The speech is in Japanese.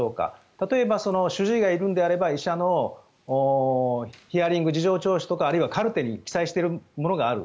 例えば、主治医がいるのであれば医者のヒアリング、事情聴取とかあるいはカルテに記載しているものがある。